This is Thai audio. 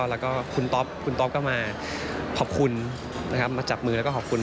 แล้วก็คุณต๊อปคุณต๊อปก็มาขอบคุณนะครับมาจับมือแล้วก็ขอบคุณ